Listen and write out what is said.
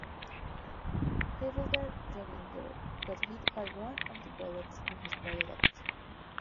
Havildar Joginder got hit by one of the bullets in his right leg.